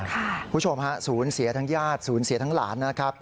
คุณผู้ชมฮะศูนย์เสียทั้งญาติศูนย์เสียทั้งหลานนะครับ